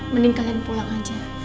mending kalian pulang aja